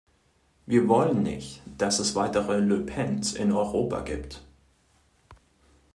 Wir wollen nicht, dass es weitere Le Pens in Europa gibt.